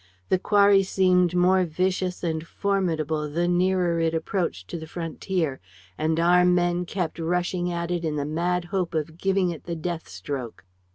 The quarry seemed more vicious and formidable the nearer it approached to the frontier; and our men kept rushing at it in the mad hope of giving it the death stroke.